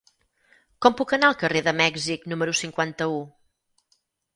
Com puc anar al carrer de Mèxic número cinquanta-u?